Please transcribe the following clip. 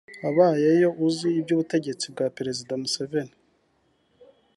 wabayeyo uzi iby’ubutegetsi bwa Perezida Museveni